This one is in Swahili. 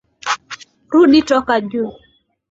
Rudi toka juu.